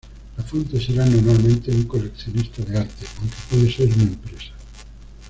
La fuente será normalmente un coleccionista de arte, aunque puede ser una empresa.